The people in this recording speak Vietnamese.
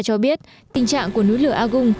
cho biết tình trạng của núi lửa agung